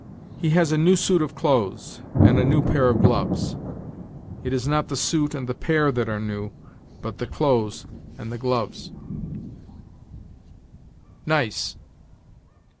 "He has a new suit of clothes and a new pair of gloves." It is not the suit and the pair that are new, but the clothes and the gloves. NICE.